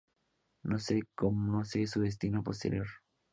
No se conoce su destino posterior.